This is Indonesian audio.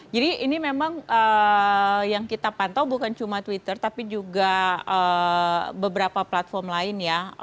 ini memang yang kita pantau bukan cuma twitter tapi juga beberapa platform lain ya